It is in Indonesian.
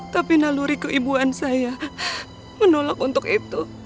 tapi naluri keibuan saya menolak untuk itu